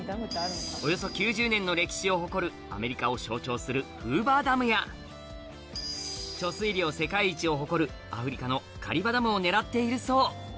およそ９０年の歴史を誇るアメリカを象徴するフーバーダムや貯水量世界一を誇るアフリカのカリバダムを狙っているそう